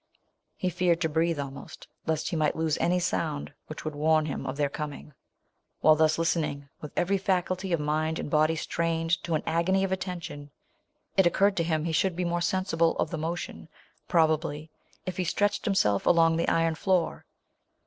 He fear ed to breathe, almost, lest he might lose any sound which would warn him of their coming. While thus listening, with every faculty of mind and body strained to an agony of at tention, it occurred to him he should be more sensible of the motion, pro bably, if he stretched himself along the iron floor.